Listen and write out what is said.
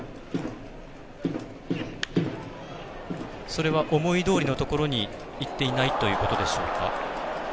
それは思いどおりのところにいってないということでしょうか。